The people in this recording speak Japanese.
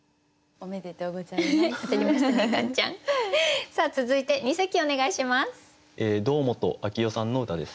おめでとうございます。